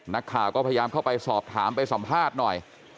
นักข่าวก็พยายามเข้าไปสอบถามไปสัมภาษณ์หน่อย